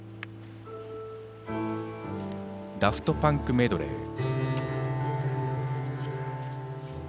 「ダフト・パンクメドレー」。